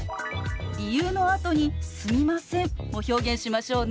理由のあとに「すみません」も表現しましょうね。